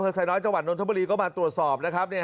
เผอร์ใสน้อยจวันธมภาคต์หสตรีก็มาตรวจสอบนะครับ